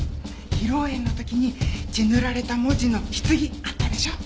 披露宴の時に血塗られた文字の棺あったでしょ？